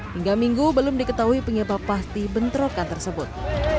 hingga minggu belum diketahui penyebab pasti bentrokan tersebut